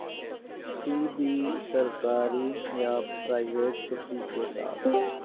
سی بھی سرکاری یا پرائیوٹ چھٹی کے ساتھ